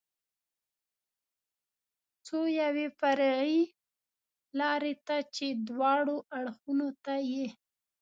څو یوې فرعي لارې ته چې دواړو اړخو ته یې.